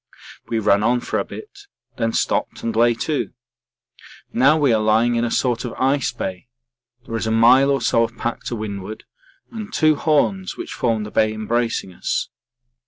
We ran on for a bit, then stopped and lay to. Now we are lying in a sort of ice bay there is a mile or so of pack to windward, and two horns which form the bay embracing us.